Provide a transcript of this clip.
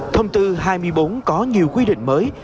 thông tư hai mươi bốn có nhiều quy định mới